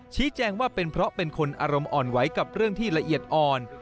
ชี้แจงว่าเป็นเพราะเป็นคนอารมณ์อ่อนไหวกับเรื่องที่ละเอียดอ่อน